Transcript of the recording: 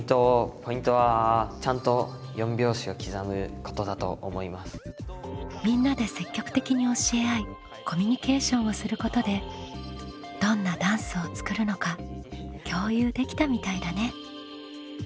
ポイントはみんなで積極的に教え合いコミュニケーションをすることでどんなダンスを作るのか共有できたみたいだね。